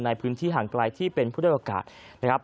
ในพื้นที่ห่างไกลที่เป็นพุทธโอกาส